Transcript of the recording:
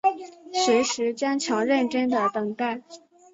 随时坚强认真的等待